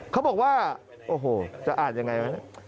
เขาบอกว่าโอ้โหจะอ่านอย่างไรไหม